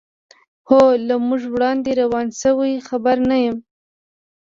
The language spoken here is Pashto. هو، له موږ وړاندې روان شوي، خبر نه یم.